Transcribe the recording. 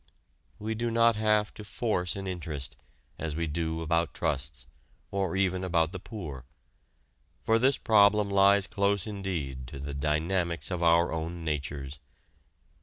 We do not have to force an interest, as we do about the trusts, or even about the poor. For this problem lies close indeed to the dynamics of our own natures.